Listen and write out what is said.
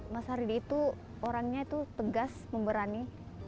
mas hardi itu orangnya itu tegas memberani